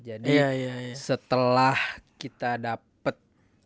jadi setelah kita dapet